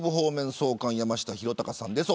総監山下裕貴さんです。